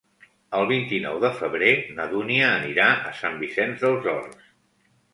El vint-i-nou de febrer na Dúnia anirà a Sant Vicenç dels Horts.